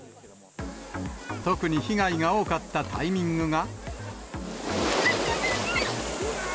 特に被害が多かったタイミングが。